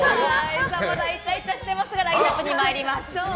まだイチャイチャしてますがラインアップに参りましょう。